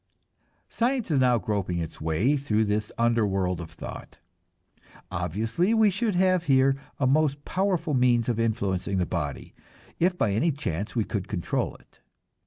Science is now groping its way through this underworld of thought. Obviously we should have here a most powerful means of influencing the body, if by any chance we could control it.